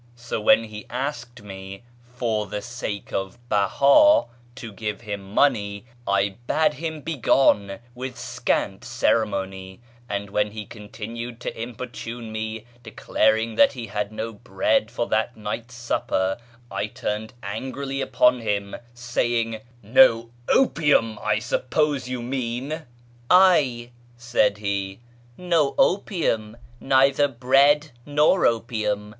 So when he asked me " for the sake of Beha " to give him money, I bade him begone with scant ceremony; and when he continued to importune me, declaring that he had no bread for that night's supper, I turned angrily upon him, saying, " No opium, I suppose you mean !"" Ay," said he, " no opium : neither bread nor opium.